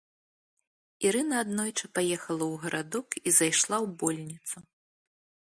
Ірына аднойчы паехала ў гарадок і зайшла ў больніцу.